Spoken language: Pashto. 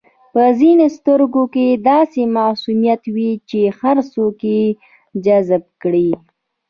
په ځینو سترګو کې داسې معصومیت وي چې هر څوک یې جذب کړي.